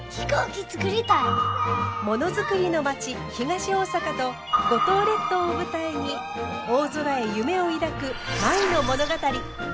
ものづくりの町東大阪と五島列島を舞台に大空へ夢を抱く舞の物語。